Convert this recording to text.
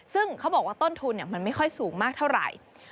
ซึ่งเขาบอกว่าต้นทุนมันไม่ค่อยสูงมากเท่าไหร่